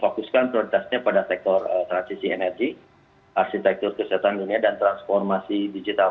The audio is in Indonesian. fokuskan prioritasnya pada sektor transisi energi arsitektur kesehatan dunia dan transformasi digital